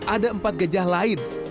ada empat gajah lain